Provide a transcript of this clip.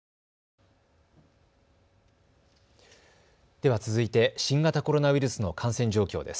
では続いて新型コロナウイルスの感染状況です。